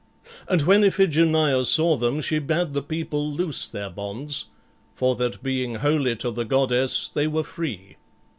And when Iphigenia saw them, she bade the people loose their bonds, for that being holy to the goddess they were free.